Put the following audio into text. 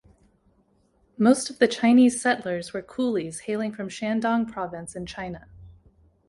Most of the Chinese settlers were coolies hailing from Shandong province in China.